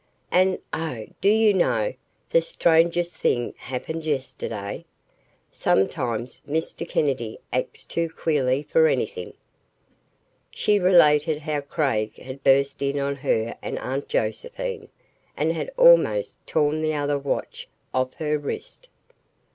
"And, oh, do you know, the strangest thing happened yesterday? Sometimes Mr. Kennedy acts too queerly for anything." She related how Craig had burst in on her and Aunt Josephine and had almost torn the other watch off her wrist.